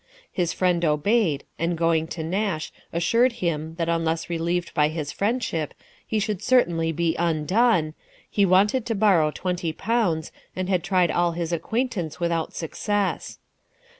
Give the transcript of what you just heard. His friend obeyed, and going to Nash, assured him, that unless relieved by his friendship, he should certainly be undone ; he wanted to borrow twenty pounds, and had tried all his acquaintance without success.